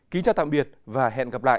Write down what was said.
kính chào tạm biệt và hẹn gặp lại